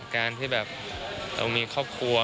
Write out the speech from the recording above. การที่แบบเรามีครอบครัว